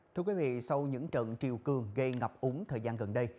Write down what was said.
thưa quý vị sau những trận triều cường gây ngập úng thời gian gần đây